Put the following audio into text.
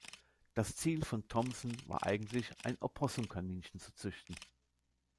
Das Ziel von Thomsen war eigentlich, ein Opossum-Kaninchen zu züchten.